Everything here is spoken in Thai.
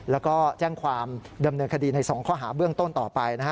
แล้วก็แจ้งความดำเนินคดีใน๒ข้อหาเบื้องต้นต่อไปนะฮะ